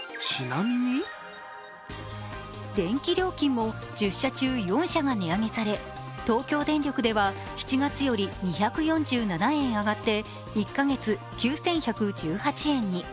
電気料金も１０社中４社が値上げされ東京電力では７月より２４７円上がって１カ月９１１８円に。